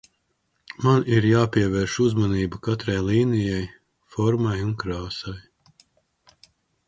Man ir jāpievērš uzmanība katrai līnijai, formai un krāsai.